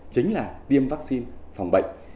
chính là tiêm vaccine phòng bệnh